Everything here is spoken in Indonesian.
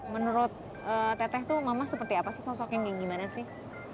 menurut teteh itu mama seperti apa sih sosok yang gimana sih